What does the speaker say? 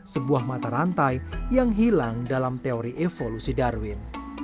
sebuah mata rantai yang hilang dalam teori evolusi darwin